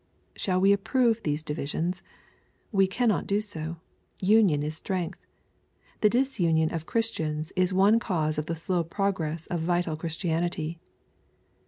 — Shall we approve those divisions ? Wo cannot do so. Union is strength. The disunion of Christians is one cause of the slow progress of vital Christianity.